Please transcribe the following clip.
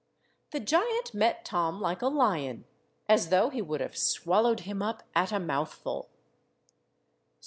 The giant met Tom like a lion, as though he would have swallowed him up at a mouthful.